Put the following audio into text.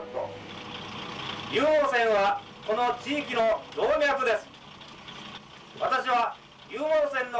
湧網線はこの地域の動脈です。